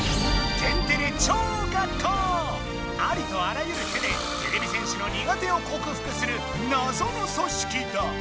ありとあらゆる手でてれび戦士の苦手を克服するなぞのそしきだ。